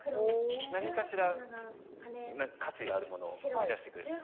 何かしら価値があるものを生み出してくるんですね。